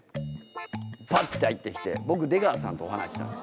パッて入って来て僕出川さんと話してたんです。